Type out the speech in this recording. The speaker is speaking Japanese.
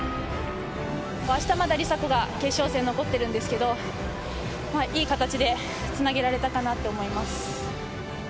あした、まだ梨紗子が決勝戦、残ってるんですけど、いい形でつなげられたかなって思います。